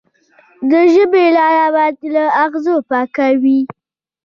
د ژبې لاره باید له اغزو پاکه وي.